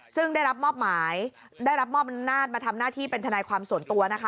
ซึ่งได้รับหมอบหน้าน่าทมาทำหน้าที่เป็นทนายความส่วนตัวนะคะ